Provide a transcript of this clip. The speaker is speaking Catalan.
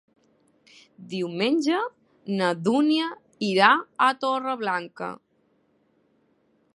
Diumenge na Dúnia irà a Torreblanca.